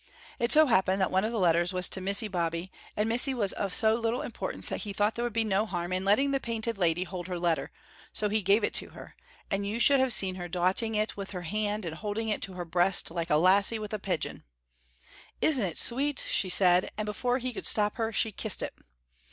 It so happened that one of the letters was to Mysy Bobbie; and Mysy was of so little importance that he thought there would be no harm in letting the Painted Lady hold her letter, so he gave it to her, and you should have seen her dawting it with her hand and holding it to her breast like a lassie with a pigeon. "Isn't it sweet?" she said, and before he could stop her she kissed it.